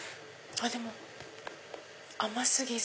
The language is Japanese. でも甘過ぎず。